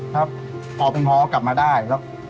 ถ้าออกให้พี่หมอกลับมาได้